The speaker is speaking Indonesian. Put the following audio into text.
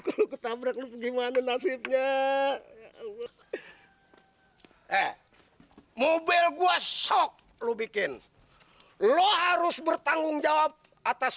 lu ketabrak lu gimana nasibnya eh mobil gua shock lu bikin lu harus bertanggung jawab atas